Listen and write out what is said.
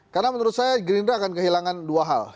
karena menurut saya gerindra akan kehilangan dua hal